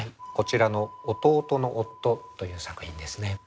こちらの「弟の夫」という作品ですね。